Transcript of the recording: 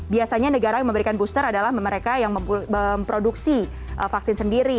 biasanya negara yang memberikan booster adalah mereka yang memproduksi vaksin sendiri